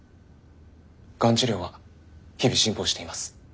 がん治療は日々進歩しています。